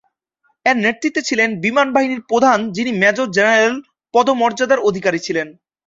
এর নেতৃত্বে ছিলেন বিমানবাহিনীর প্রধান যিনি মেজর জেনারেল পদমর্যাদার অধিকারী ছিলেন।